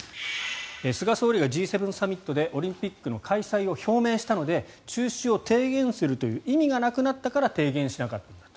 菅総理がＧ７サミットでオリンピックの開催を表明したので中止を提言するという意味がなくなったから提言しなかったんだと。